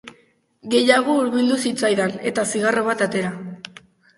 Gehiago hurbildu zitzaidan, eta zigarro bat atera.